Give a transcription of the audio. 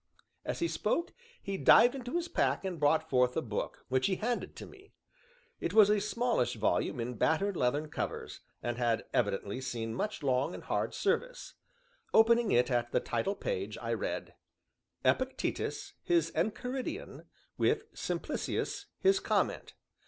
As he spoke, he dived into his pack and brought forth a book, which he handed to me. It was a smallish volume in battered leathern covers, and had evidently seen much long and hard service. Opening it at the title page, I read: Epictetus his ENCHIRIDION with Simplicius his COMMENT.